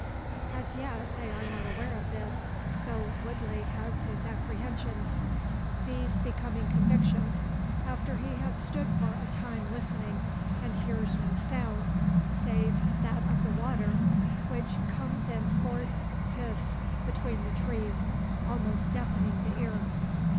As yet they are not aware of this, though Woodley has his apprehensions; these becoming convictions, after he has stood for a time listening, and hears no sound, save that of the water, which comes in hoarse hiss between the trees, almost deafening the ear.